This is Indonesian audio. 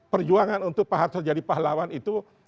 perjuangan untuk pak harto jadi pahlawan itu